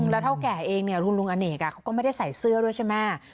แล้วเท่าแก่เองคุณลุงอเนกเขาก็ไม่ได้ใส่เสื้อด้วยใช่ไหม